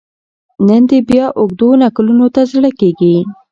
نن دي بیا اوږدو نکلونو ته زړه کیږي